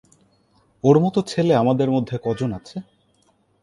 ওর মতো ছেলে আমাদের মধ্যে কজন আছে?